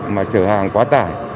mà chở hàng quá tải